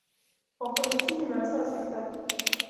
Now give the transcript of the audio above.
Wakoze iki nyuma ya saa sita?